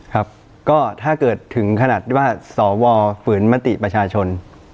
ครับก็ถ้าเกิดถึงขนาดที่ว่าสวฝืนมติประชาชน